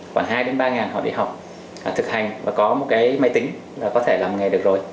khoảng hai đến ba họ đi học thực hành và có một cái máy tính là có thể làm nghề được rồi